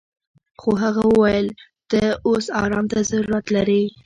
خو هغه وويل ته اوس ارام ته ضرورت لري.